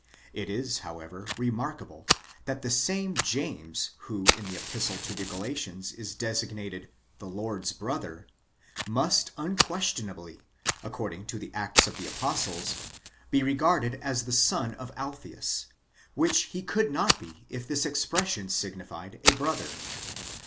It is, however, remarkable that the same James who in the Epistle to the Galatians is designated ἀδελφὸς Κυρίου (the Lord's brother), must un questionably, according to the Acts of the Apostles, be regarded as the son of Alpheus ; which he could not be if this expression signified a brother.